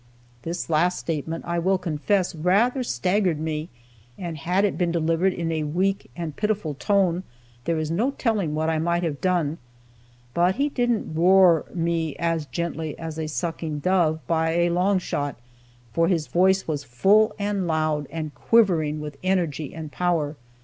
This last statement, I will confess, rather staggered me, and had it been delivered in a weak and pitiful tone, there is no telling what I might have done. But he didn't "roar" me "as gently as a sucking dove," by a long shot, for his voice was full and loud, and quivering with energy and power.